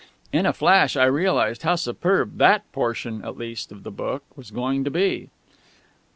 In a flash I realised how superb that portion at least of the book was going to be.